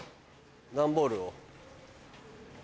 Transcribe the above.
段ボールを。